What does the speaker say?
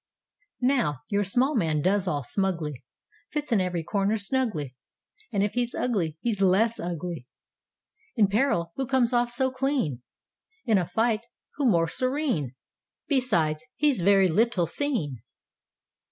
Now, your small man does all smugly, Fits in every corner snugly; And if he's ugly, he's less ugly.In peril, who comes off so clean? In a fight, who more serene? Besides, he's very little seen.